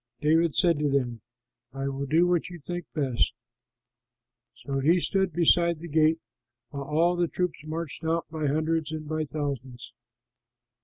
David said to them, "I will do what you think best!" So he stood beside the gate, while all the troops marched out by hundreds and by thousands.